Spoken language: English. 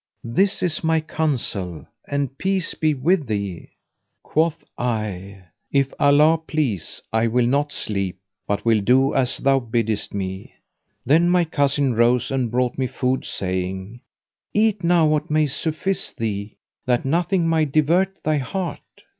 This is my counsel and peace be with thee!" Quoth I, "If Allah please I will not sleep, but will do as thou biddest me." Then my cousin rose, and brought me food, saying, "Eat now what may suffice thee, that nothing may divert thy heart."